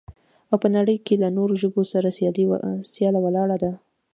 او په نړۍ کې له نورو ژبو سره سياله ولاړه ده.